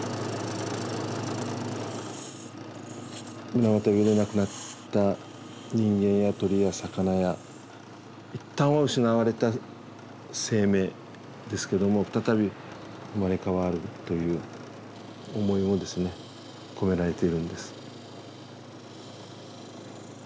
水俣病で亡くなった人間や鳥や魚や一旦は失われた生命ですけども再び生まれ変わるという思いもですね込められているんです。